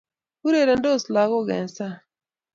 urerendos lakok eng sang